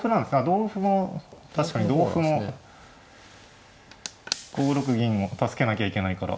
同歩も確かに同歩も５六銀を助けなきゃいけないから。